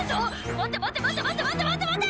「待て待て待て待て待て待て待て！」